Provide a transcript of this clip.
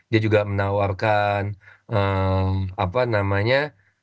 dia juga menawarkan apa namanya